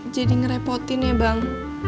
jadi ngerepotin ya bang